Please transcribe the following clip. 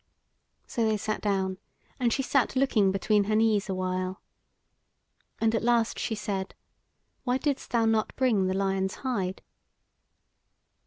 So they sat down, and she sat looking between her knees a while; and at last she said: "Why didst thou not bring the lion's hide?"